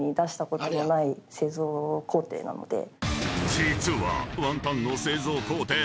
［実は］